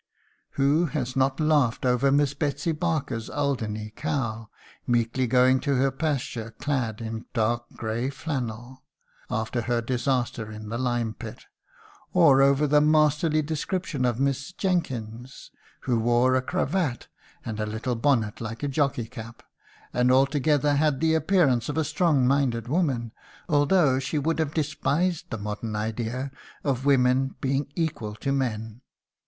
Who has not laughed over Miss Betsy Barker's Alderney cow "meekly going to her pasture, clad in dark grey flannel" after her disaster in the lime pit! or over the masterly description of Miss Jenkyns, who "wore a cravat, and a little bonnet like a jockey cap, and altogether had the appearance of a strong minded woman; although she would have despised the modern idea of women being equal to men.